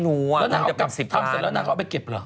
ตอนที่โพสต์อันนี้ได้เห็นชัดเจน